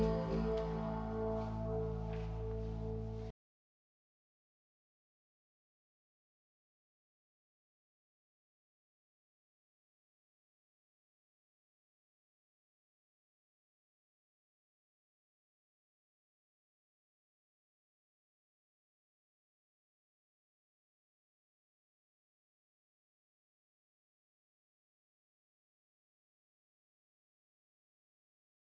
jie gak adaieth hari lagi di kota itu ngatakan